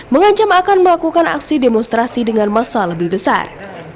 mengancam akan melakukan aksi demonstrasi dengan masa lebih besar